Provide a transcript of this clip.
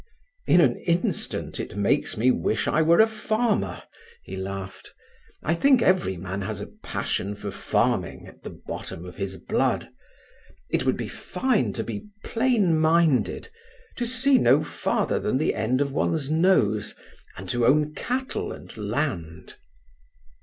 "In an instant it makes me wish I were a farmer," he laughed. "I think every man has a passion for farming at the bottom of his blood. It would be fine to be plain minded, to see no farther than the end of one's nose, and to own cattle and land."